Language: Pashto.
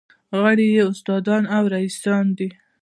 غړي یې استادان او رییسان دي.